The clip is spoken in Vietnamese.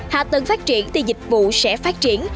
hạ tầng phát triển thì dịch vụ sẽ phát triển